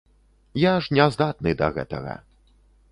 Я ж не здатны да гэтага.